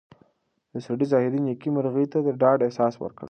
د سړي ظاهري نېکۍ مرغۍ ته د ډاډ احساس ورکړ.